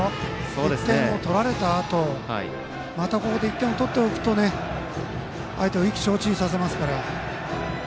１点を取られたあとまた、ここで１点を取っておくと相手を意気消沈させますから。